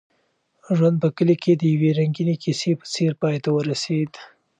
ژوند په کلي کې د یوې رنګینې کیسې په څېر پای ته ورسېد.